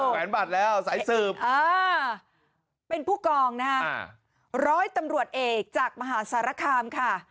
แหวนบัตรแล้วสายสืบอ่าเป็นผู้กองนะฮะร้อยตำรวจเอกจากมหาสารคามค่ะ